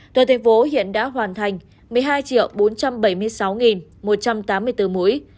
toàn thành phố hiện đã hoàn thành một mươi hai bốn trăm bảy mươi sáu một trăm tám mươi bốn mũi